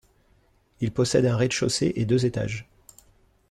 Il possède un rez-de-chaussée et deux étages.